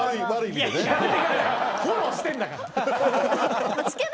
フォローしてんだから。